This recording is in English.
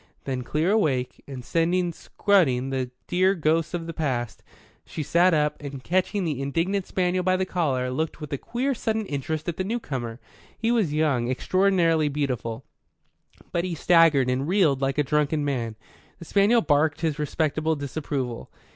Then clear awake, and sending scudding the dear ghosts of the past, she sat up, and catching the indignant spaniel by the collar, looked with a queer, sudden interest at the newcomer. He was young, extraordinarily beautiful; but he staggered and reeled like a drunken man. The spaniel barked his respectable disapproval.